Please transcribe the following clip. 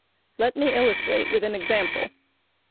Let me illustrate with an example.